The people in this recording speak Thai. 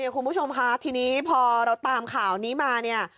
คุณผู้ชมค่ะทีนี้พอเราตามข่าวนี้มาเนี่ย